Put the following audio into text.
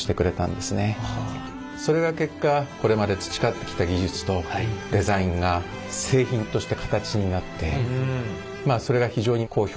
それが結果これまで培ってきた技術とデザインが製品として形になってまあそれが非常に好評な評判を呼んでですね